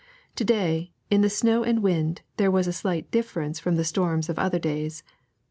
To day, in the snow and wind, there was a slight difference from the storms of other days.